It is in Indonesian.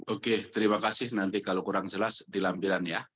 oke terima kasih nanti kalau kurang jelas di lampiran ya